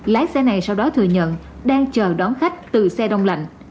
lái xe này sau đó thừa nhận đang chờ đón khách từ xe đông lạnh